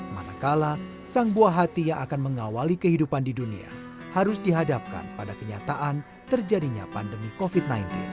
manakala sang buah hati yang akan mengawali kehidupan di dunia harus dihadapkan pada kenyataan terjadinya pandemi covid sembilan belas